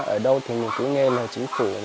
ở đâu thì mình cứ nghe là chính phủ